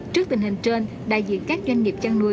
trước tình hình trên đại diện các doanh nghiệp chăn nuôi